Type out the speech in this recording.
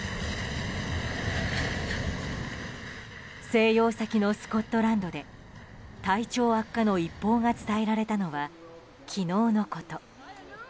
静養先のスコットランドで体調悪化の一報が伝えられたのは昨日のこと。